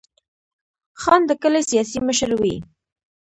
خان د کلي سیاسي مشر وي.